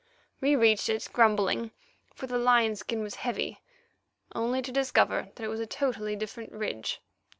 We reached it, grumbling, for the lion skin was heavy, only to discover that it was a totally different ridge.